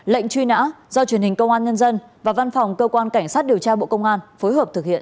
lệnh truy nã do truyền hình công an nhân dân và văn phòng cơ quan cảnh sát điều tra bộ công an phối hợp thực hiện